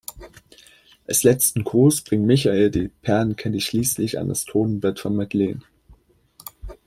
Als letzten Gruß bringt Michael die Perlenkette schließlich an das Totenbett von Madeleine.